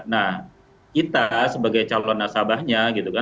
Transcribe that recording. nah kita sebagai calon nasabahnya